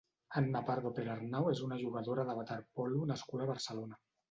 Anna Pardo Perarnau és una jugadora de waterpolo nascuda a Barcelona.